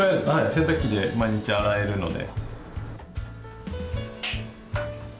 洗濯機で毎日洗えるので。